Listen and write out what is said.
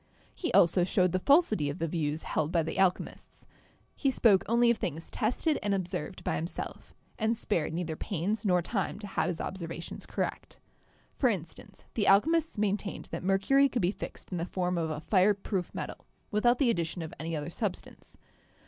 He also showed the falsity of the views held by the alchemists. He spoke only of things tested and observed by himself, and spared neither pains nor time to have his observations correct. For instance, the alchemists main tained that mercury could be fixed in the form of a fire proof metal, without the addition of any other substance.